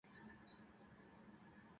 আমার তৈরি হতে হবে।